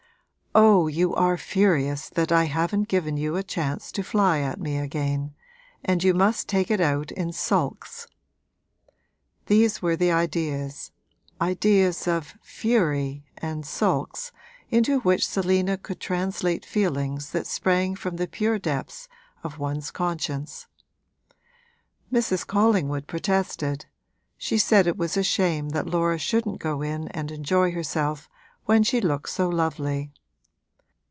'Oh, you are furious that I haven't given you a chance to fly at me again, and you must take it out in sulks!' These were the ideas ideas of 'fury' and sulks into which Selina could translate feelings that sprang from the pure depths of one's conscience. Mrs. Collingwood protested she said it was a shame that Laura shouldn't go in and enjoy herself when she looked so lovely.